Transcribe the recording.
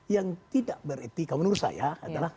yang tidak beretika menurut saya adalah